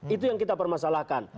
itu yang kita permasalahkan